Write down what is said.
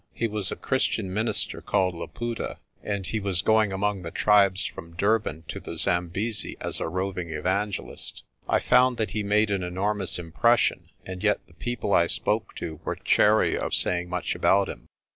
He was a Christian minister called Laputa, and he was going among the tribes from Durban to the Zambesi as a roving evangelist. I found that he made an enormous impression, and yet the people I spoke to were chary of saying much about him.